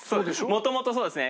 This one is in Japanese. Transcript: もともとそうですね。